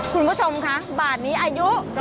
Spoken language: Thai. คุณผู้ชมคะบาทนี้อายุ